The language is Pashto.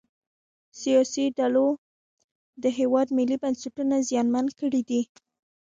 سیاسي ډلو د هیواد ملي بنسټونه زیانمن کړي دي